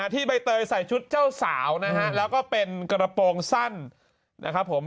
ใบเตยใส่ชุดเจ้าสาวนะฮะแล้วก็เป็นกระโปรงสั้นนะครับผม